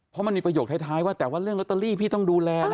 เพราะมันมีประโยคท้ายว่าแต่ว่าเรื่องลอตเตอรี่พี่ต้องดูแลนะ